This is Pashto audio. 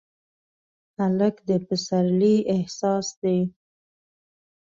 هلک د پسرلي احساس دی.